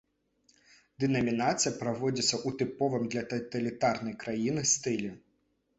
Дэнамінацыя праводзіцца ў тыповым для таталітарнай краіны стылі.